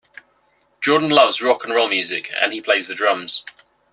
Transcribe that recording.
Jordan loves rock and roll music, and he plays the drums.